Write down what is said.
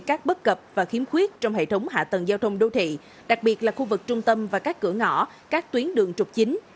các bất cập và khiếm khuyết trong hệ thống hạ tầng giao thông đô thị đặc biệt là khu vực trung tâm và các cửa ngõ các tuyến đường trục chính